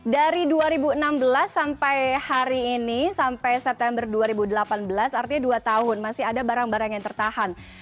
dari dua ribu enam belas sampai hari ini sampai september dua ribu delapan belas artinya dua tahun masih ada barang barang yang tertahan